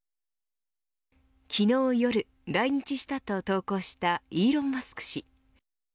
昨日夜、来日したと投稿したイーロン・マスク氏。